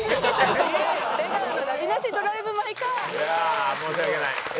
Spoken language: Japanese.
いやあ申し訳ない。